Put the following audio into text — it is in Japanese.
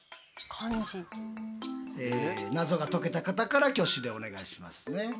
謎が解けた方から挙手でお願いしますね。